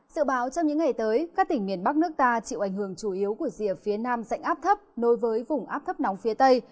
sự báo trong những ngày tới các tỉnh miền bắc nước ta chịu ảnh hưởng chủ yếu của rìa phía nam dạnh áp thấp nối với vùng áp thấp nóng phía tây